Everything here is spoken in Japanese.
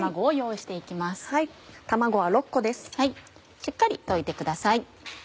しっかり溶いてください。